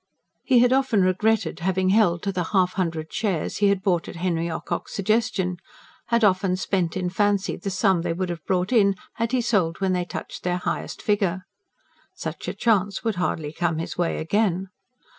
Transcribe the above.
He had often regretted having held to the half hundred shares he had bought at Henry Ocock's suggestion; had often spent in fancy the sum they would have brought in, had he sold when they touched their highest figure. Such a chance would hardly come his way again.